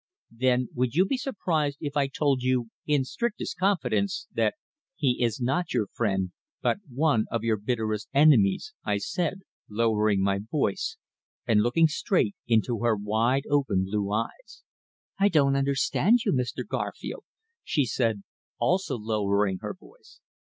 "Then would you be surprised if I told you in strictest confidence that he is not your friend, but one of your bitterest enemies!" I said, lowering my voice, and looking straight into her wide open blue eyes. "I don't understand you, Mr. Garfield!" she said, also lowering her voice.